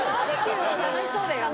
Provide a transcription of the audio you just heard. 楽しそうだよね。